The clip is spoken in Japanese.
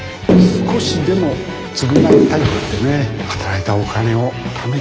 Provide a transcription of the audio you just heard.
少しでも償いたいってね働いたお金をためて。